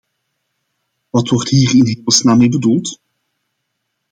Wat wordt hier in hemelsnaam mee bedoeld?